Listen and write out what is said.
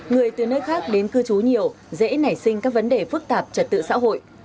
người từ nơi khác đến cư trú nhiều dễ nảy sinh các vấn đề phức tạp trật tự xã hội